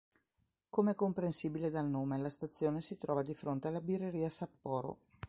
Come comprensibile dal nome, la stazione si trova di fronte alla Birreria Sapporo.